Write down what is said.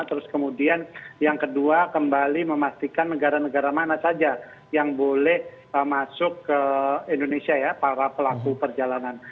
terus kemudian yang kedua kembali memastikan negara negara mana saja yang boleh masuk ke indonesia ya para pelaku perjalanan